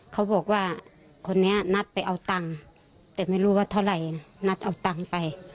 เขาบอกว่าคนนี้นัดไปเอาตังค์แต่ไม่รู้ว่าเท่าไหร่นัดเอาตังค์ไป